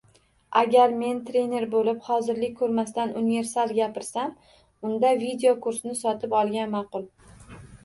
Agar men trener boʻlib, hozirlik koʻrmasdan universal gapirsam, unda videokursni sotib olgan ma’qul